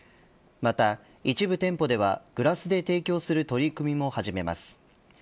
また、一部店舗ではグラスで提供する取り組みも始めます。